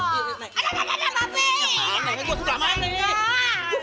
gak mau nek gue serang aneh